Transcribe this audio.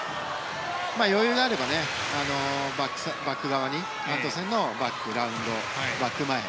余裕があれば、バック側にアントンセンのラウンドバック前へ。